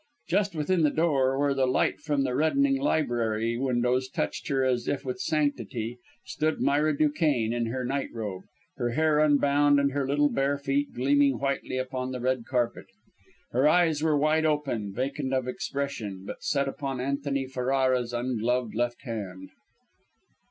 Just within the door, where the light from the reddening library windows touched her as if with sanctity, stood Myra Duquesne, in her night robe, her hair unbound and her little bare feet gleaming whitely upon the red carpet. Her eyes were wide open, vacant of expression, but set upon Antony Ferrara's ungloved left hand.